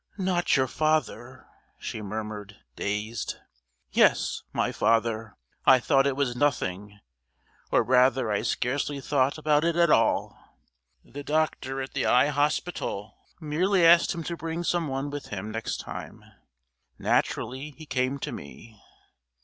"Not your father!" she murmured, dazed. "Yes, my father! I thought it was nothing, or rather I scarcely thought about it at all. The doctor at the Eye Hospital merely asked him to bring some one with him next time; naturally he came to me."